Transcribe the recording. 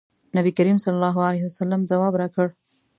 نبي کریم صلی الله علیه وسلم ځواب راکړ.